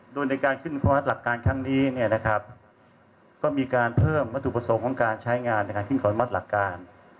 โดยในการขึ้นวัดหลักการครั้งนี้ก็มีการเพิ่มวัตถุประสงค์ของการใช้งานในการขึ้นขออนุมัติหลักการ